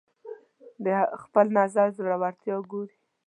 د خپل نظر زورورتیا ګوري